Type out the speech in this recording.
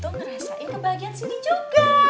ngerasain kebahagiaan sini juga